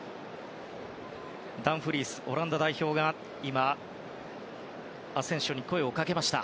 ダンフリース、オランダ代表がアセンシオに声をかけました。